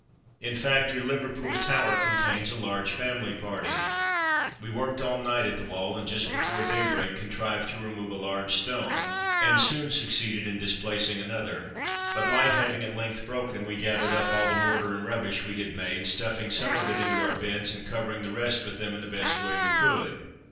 In fact your Liverpool Tower contains a large family party. We worked all night at the wall, and just before daybreak contrived to remove a large stone and soon succeeded in displacing another, but light having at length broken, we gathered up all the mortar and rubbish we had made, stuffing some of it into our beds, and covering the rest with them in the best way we could.